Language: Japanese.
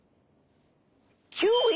キウイ？